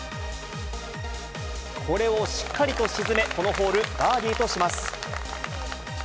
これをしっかりと沈め、このホール、バーディーとします。